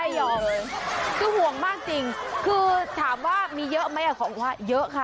ไม่หรอคือห่วงมากจริงคือถามว่ามีเยอะไหมอ่ะของห่วงว่าเยอะค่ะ